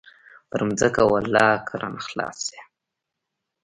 پر ځمکه ولله که رانه خلاص سي.